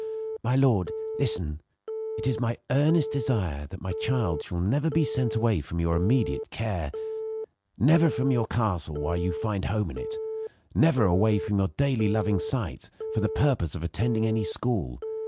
"My lord listen: It is my earnest desire that my child shall never be sent away from your immediate care never from your castle while you find home in it never away from your daily loving sight for the purpose of attending any school.